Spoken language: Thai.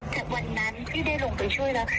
แต่วันนั้นที่ได้ลงไปช่วยแล้ว